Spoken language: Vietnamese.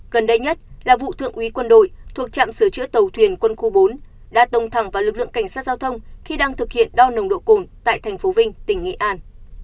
gần đây nhất là vụ thượng úy quân đội thuộc trạm sửa chữa tàu thuyền quân khu bốn đã tông thẳng vào lực lượng cảnh sát giao thông khi đang thực hiện đo nồng độ cồn tại thành phố vinh tỉnh nghệ an